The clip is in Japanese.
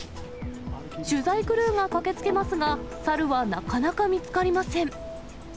取材クルーが駆けつけますが、猿はなかなか見つかりません。